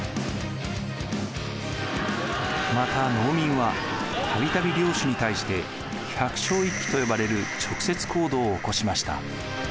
また農民はたびたび領主に対して百姓一揆と呼ばれる直接行動を起こしました。